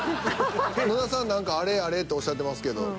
野田さん何か「あれ？あれ？」とおっしゃってますけど。